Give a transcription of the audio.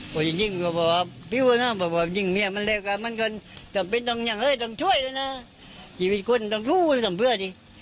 ก็จริงก็บอกว่าผิวนะบอกว่าจริงเนี่ยมันเร็วกันมันก็จะเป็นต้องอย่างเฮ้ยต้องช่วยนะชีวิตคนต้องรู้สำเพื่อดิ